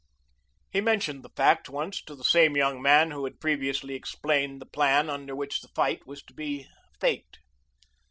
He mentioned the fact once to the same young man who had previously explained the plan under which the fight was to be faked.